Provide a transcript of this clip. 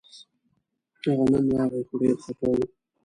هغه نن راغی خو ډېر خپه و